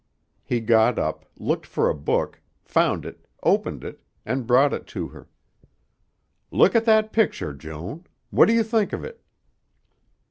He got up, looked for a book, found it, opened it, and brought it to her. "Look at that picture, Joan. What do you think of it?"